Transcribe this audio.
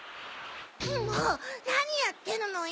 もうなにやってるのよ！